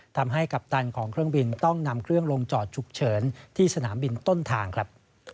กัปตันของเครื่องบินต้องนำเครื่องลงจอดฉุกเฉินที่สนามบินต้นทางครับ